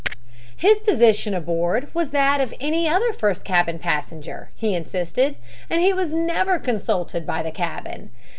His position aboard was that of any other first cabin passenger, he insisted, and he was never consulted by the captain.